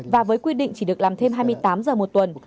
và với quy định chỉ được làm thêm hai mươi tám giờ một tuần